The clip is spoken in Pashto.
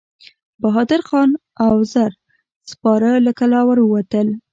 بهادر خان او زر سپاره له کلا ور ووتل.